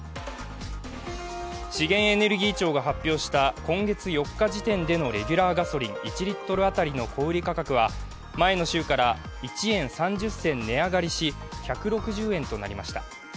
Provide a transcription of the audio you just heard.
資源エネルギー庁が発表した今月４日時点でのレギュラーガソリン１リットルあたりの小売価格は前の週から１円３０銭値上がりし１６０円となりました。